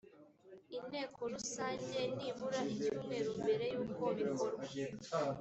inteko rusange nibura icyumweru mbere y uko bikorwa